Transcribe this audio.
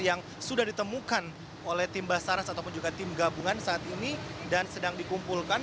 yang sudah ditemukan oleh tim basaras ataupun juga tim gabungan saat ini dan sedang dikumpulkan